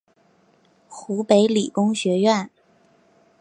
湖北理工学院